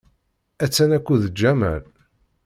Attan akked Jamal.